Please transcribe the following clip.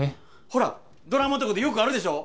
ほらドラマとかでよくあるでしょ？